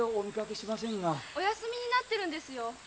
お休みになってるんですよ。